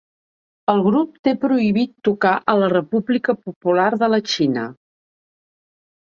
El grup té prohibit tocar a la República Popular de la Xina.